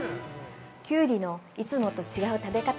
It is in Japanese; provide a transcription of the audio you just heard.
キュウリのいつもと違う食べ方。